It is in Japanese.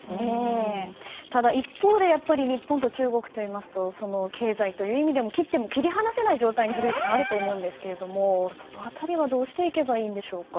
ただ一方で日本と中国といいますと経済という意味でも切っても切り離せない状態にあると思いますが、古市さんその辺りはどうしていけばいいんでしょうか。